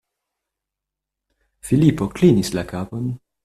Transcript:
Filipo klinis la kapon.